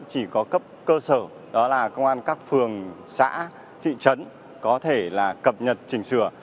chỉ có cấp cơ sở đó là công an các phường xã thị trấn có thể là cập nhật chỉnh sửa